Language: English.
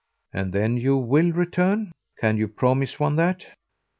"Ah then you WILL return? Can you promise one that?"